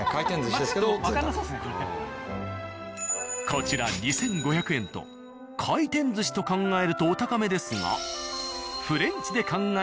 こちら２５００円と回転寿司と考えるとお高めですが。